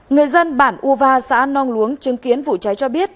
người dân bản uva xã nong luống chứng kiến vụ cháy cho biết